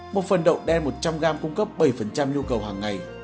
một phần đậu đen một trăm linh gram cung cấp bảy nhu cầu hàng ngày